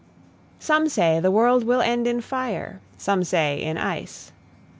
SOME say the world will end in fire, Some say in ice.